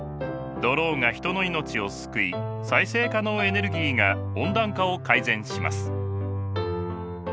ドローンが人の命を救い再生可能エネルギーが温暖化を改善します。